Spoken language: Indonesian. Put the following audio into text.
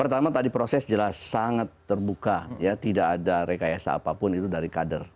pertama tadi proses jelas sangat terbuka ya tidak ada rekayasa apapun itu dari kader